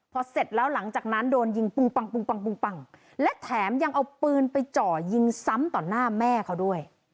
พอเสร็จแล้วหลังจากนั้นโดนยิงปุงปังและแถมยังเอาปืนไปเจาะยิงซ้ำต่อหน้าแม่เขาด้วย